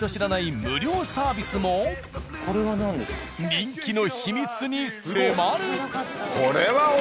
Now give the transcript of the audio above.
人気の秘密に迫る！